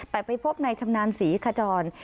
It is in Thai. แต่ไปพบในชำนาญศรีขจร